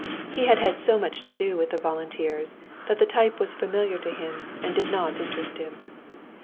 He had had so much to do with the volunteers that the type was familiar to him and did not interest him.